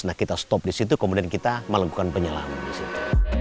nah kita stop di situ kemudian kita melakukan penyelam di situ